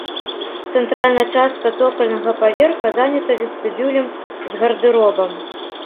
Цэнтральная частка цокальнага паверха занята вестыбюлем з гардэробам.